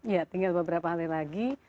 ya tinggal beberapa hari lagi